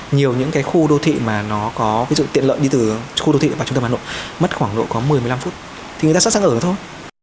nhiều những cái khu đô thị mà nó có ví dụ tiện lợi đi từ khu đô thị vào trung tâm hà nội mất khoảng độ có một mươi một mươi năm phút thì người ta sẵn sàng ở thôi